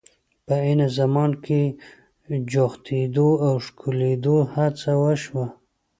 په عین زمان کې جوختېدو او ښکلېدو هڅه وشوه.